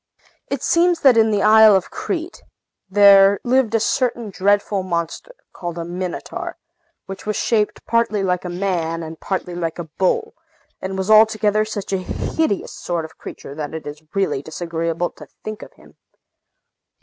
It seems that in the island of Crete there lived a certain dreadful monster, called a Minotaur, which was shaped partly like a man and partly like a bull, and was altogether such a hideous sort of a creature that it is really disagreeable to think of him.